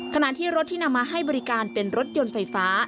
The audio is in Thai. ขณะที่รถที่นำมาให้บริการเป็นรถยนต์ไฟฟ้า